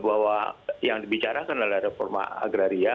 bahwa yang dibicarakan adalah reforma agraria